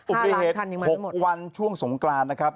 อุบัติเหตุ๖วันช่วงสงกรานนะครับ